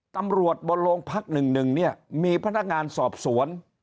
ตำรวจบนโรงพัก๑๑เนี่ยมีพนักงานสอบสวน